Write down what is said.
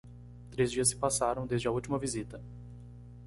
Três dias se passaram, desde a última visita.